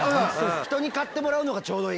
ひとに買ってもらうのがちょうどいい。